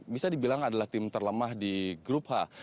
bisa dibilang adalah tim terlemah di grup h